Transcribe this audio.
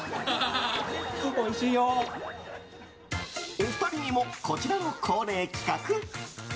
お二人にも、こちらの恒例企画。